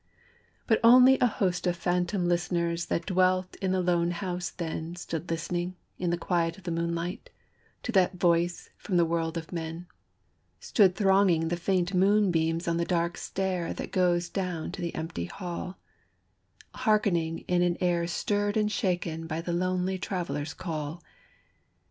But only a host of phantom listeners That dwelt in the lone house then Stood listening in the quiet of the moonlight To that voice from the world of men: Stood thronging the faint moonbeams on the dark stair That goes down to the empty hall, Hearkening in an air stirred and shaken By the lonely Traveler's call.